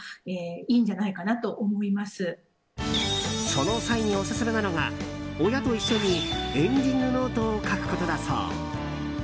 その際にオススメなのが親と一緒にエンディングノートを書くことだそう。